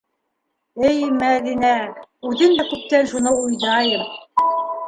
- Эй Мәҙинә, үҙем дә күптән шуны уйҙайым.